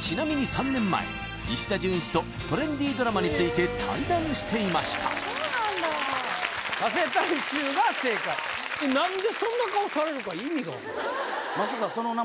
ちなみに３年前石田純一とトレンディードラマについて対談していました加勢大周が正解そうですね